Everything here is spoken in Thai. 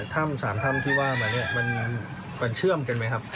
ถ้ำ๓ถ้ำที่ว่ามาเนี่ยมันเชื่อมกันไหมครับ